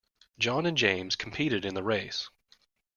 John and James competed in the race